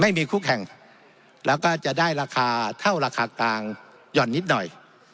ไม่มีคุกแห่งแล้วก็จะได้ราคาเท่าราคากลางหย่อนนิดหน่อย